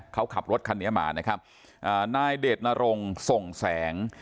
เขาขับรถคันนี้มานะครับอ่านายเดชนรงส่งแสง